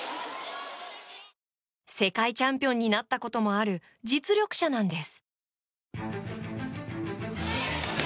世界チャンピオンになったこともある実力者なんです。